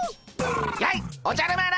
やいおじゃる丸！